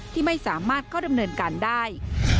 ที่ไม่สามารถเข้าดำเนินการได้